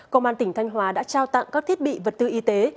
công an tỉnh thanh hóa đã trao tặng các thiết bị vật tư y tế